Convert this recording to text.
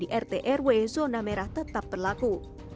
di rt rw zona merah tetap berlaku